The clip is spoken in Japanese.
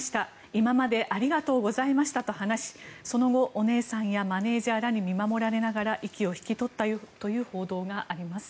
今までありがとうございましたと話しその後、お姉さんやマネジャーらに見守られながら息を引き取ったという報道があります。